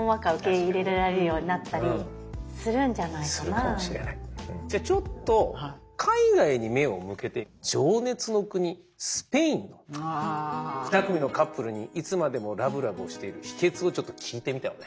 そういう意味でいうと何かきっとちょっと海外に目を向けて情熱の国スペインの２組のカップルにいつまでもラブラブをしている秘けつを聞いてみたので。